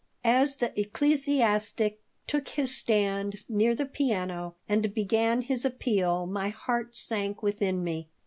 As the ecclesiastic took his stand near the piano and began his appeal my heart sank within me.